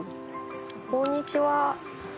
こんにちは。